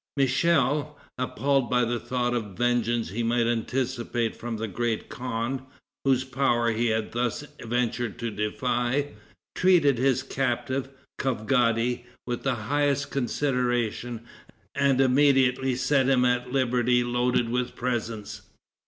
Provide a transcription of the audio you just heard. Michel, appalled by the thought of the vengeance he might anticipate from the great khan, whose power he had thus ventured to defy, treated his captive, Kavgadi, with the highest consideration, and immediately set him at liberty loaded with presents.